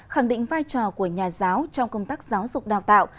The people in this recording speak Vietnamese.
khẳng định vai trò của nhà giáo trong công tác giáo dục đào tạo